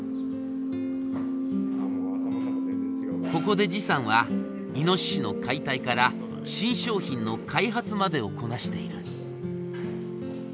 ここでさんはイノシシの解体から新商品の開発までをこなしている。